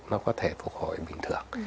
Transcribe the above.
nó có thể phục hồi bình thường